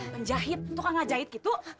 penjahit tukang gak jahit gitu